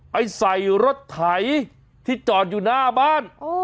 ใส่รถไถที่จอดอยู่หน้าบ้าน